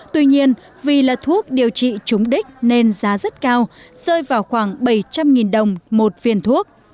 tuy nhiên vì là thuốc điều trị trúng đích nên giá rất cao rơi vào khoảng bảy trăm linh đồng một viên thuốc